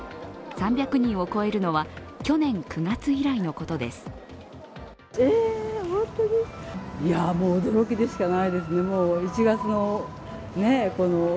３００人を超えるのは去年９月以来のことです。